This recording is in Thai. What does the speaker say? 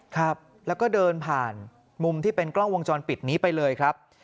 ครับแล้วก็เดินผ่านมุมที่เป็นกล้องวงจรปิดนี้ไปเลยครับ